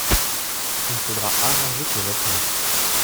il faudra arranger tes vêtements.